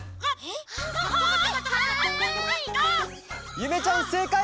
ゆめちゃんせいかい！